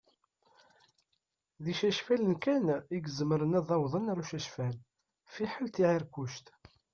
D icacfalen kan i izemren ad awḍen ar ucacfal, fiḥel tiεiṛkuct.